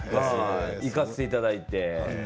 行かせていただいて。